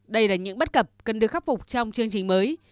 đây là những bất cập cần được khắc phục trong chương trình mới